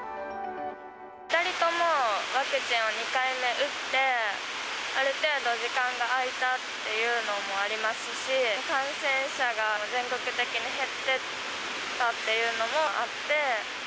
２人ともワクチンを２回目打って、ある程度時間が空いたっていうのもありますし、感染者が全国的に減ってきたっていうのもあって。